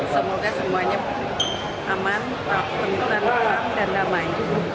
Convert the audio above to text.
semoga semuanya aman penyelidikan lelah dan damai